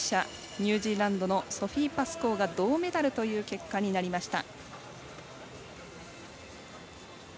ニュージーランドのソフィー・パスコーが銅メダルという結果になりました。